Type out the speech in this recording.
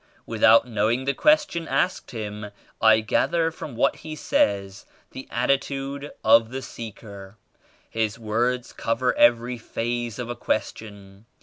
Without knowing the question asked Him, I gather from what he says the attitude of the seeker. His words cover every phase of a question.